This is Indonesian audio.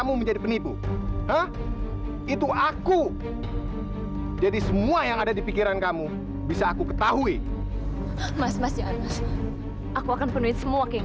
mohon jangan hancurkan hidup aku lagi mas